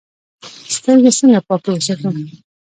سترګې څنګه پاکې وساتو؟